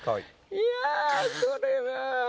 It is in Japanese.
いやそれが。